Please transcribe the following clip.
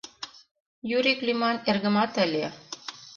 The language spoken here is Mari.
— «Юрик» лӱман эргымат ыле.